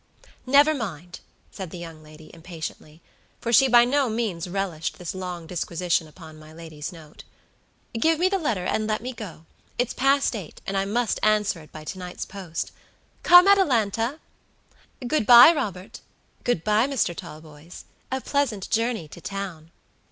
"Nevermind," said the young lady, impatiently; for she by no means relished this long disquisition upon my lady's note. "Give me the letter, and let me go; it's past eight, and I must answer it by to night's post. Come, Atalanta! Good by, Robertgood by, Mr. Talboys. A pleasant journey to town."